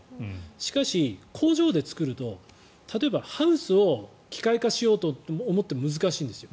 しかし、工場で作ると例えばハウスを機械化しようと思っても難しいんですよ。